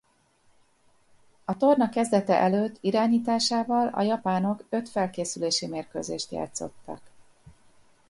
A torna kezdetet előtt irányításával a japánok öt felkészülési mérkőzést játszottak.